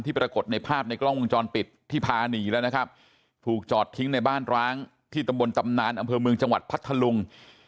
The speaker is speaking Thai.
ปรากฏในภาพในกล้องวงจรปิดที่พาหนีแล้วนะครับถูกจอดทิ้งในบ้านร้างที่ตำบลตำนานอำเภอเมืองจังหวัดพัทธลุง